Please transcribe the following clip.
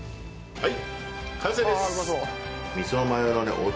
はい。